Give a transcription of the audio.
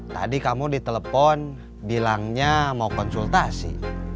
tadi kamu ditelepon bilangnya mau konsultasi